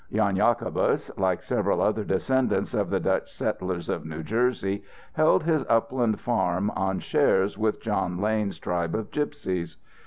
Jan Jacobus, like several other descendants of the Dutch settlers of New Jersey, held his upland farm on shares with John Lane's tribe of gypsies.